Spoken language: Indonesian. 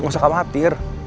nggak usah khawatir